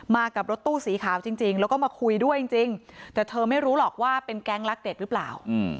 มากับรถตู้สีขาวจริงแล้วก็มาคุยด้วยจริงแต่เธอไม่รู้หรอกว่าเป็นแก๊งรักเด็กหรือเปล่า